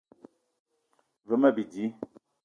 Ve ma bidi